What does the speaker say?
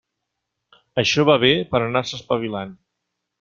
Això va bé per anar-se espavilant.